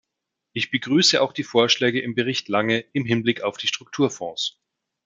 Ich begrüße auch die Vorschläge im Bericht Lange im Hinblick auf die Strukturfonds.